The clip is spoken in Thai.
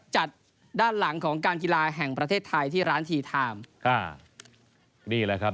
จัดด้านหลังของการกีฬาแห่งประเทศไทยที่ร้านทีไทม์อ่านี่แหละครับ